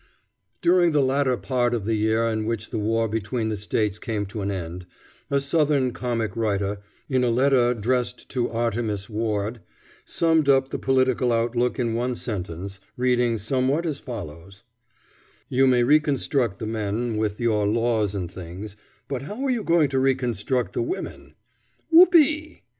During the latter part of the year in which the war between the States came to an end, a Southern comic writer, in a letter addressed to Artemus Ward, summed up the political outlook in one sentence, reading somewhat as follows: "You may reconstruct the men, with your laws and things, but how are you going to reconstruct the women? _Whoop ee!